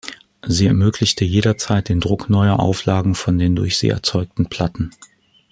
Sie ermöglichte jederzeit den Druck neuer Auflagen von den durch sie erzeugten Platten.